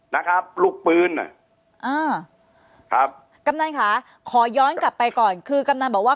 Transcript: นะครับลูกปืนอ่ะอ่าครับกำนันค่ะขอย้อนกลับไปก่อนคือกำนันบอกว่า